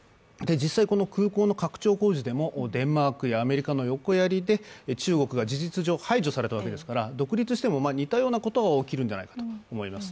実際、空港の拡張工事でもデンマークやアメリカの横やりで中国が事実上、排除されたわけですから、独立しても似たようなことは起きるのではないかと思います。